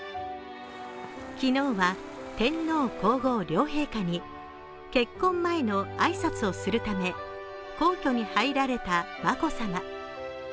昨日は天皇・皇后両陛下に結婚前の挨拶をするため皇居に入られた眞子さま。